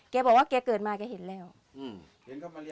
แกบอกว่าแกเกิดมาแกเห็นแล้วอืมเห็นเข้ามาเรียก